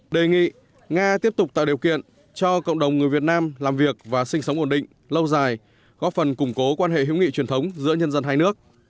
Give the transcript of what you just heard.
đề nghị nga tiếp tục tạo điều kiện cho cộng đồng người việt nam làm việc và sinh sống ổn định lâu dài góp phần củng cố quan hệ hữu nghị truyền thống giữa nhân dân hai nước